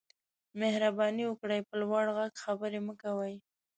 مهرباني وکړئ په لوړ غږ خبرې مه کوئ